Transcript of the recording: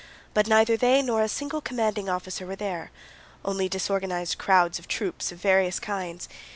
But neither they nor a single commanding officer were there, only disorganized crowds of troops of various kinds.